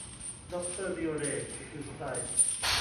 ดอกเตอร์ดิเรก คือใคร